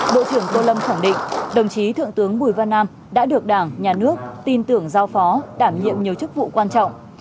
bộ trưởng tô lâm khẳng định đồng chí thượng tướng bùi văn nam đã được đảng nhà nước tin tưởng giao phó đảm nhiệm nhiều chức vụ quan trọng